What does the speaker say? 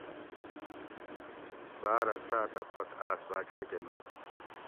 باۤرہ ساۤتہ پت آۤس باچاۤ کہ نُو